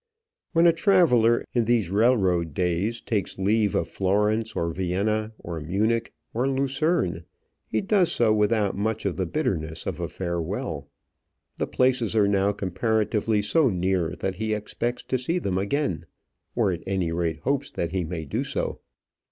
When a traveller in these railroad days takes leave of Florence, or Vienna, or Munich, or Lucerne, he does so without much of the bitterness of a farewell. The places are now comparatively so near that he expects to see them again, or, at any rate, hopes that he may do so.